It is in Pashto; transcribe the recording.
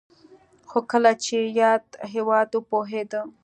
خو کله چې یاد هېواد وپوهېده